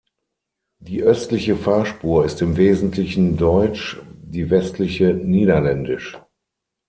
Die östliche Fahrspur ist im Wesentlichen deutsch, die westliche niederländisch.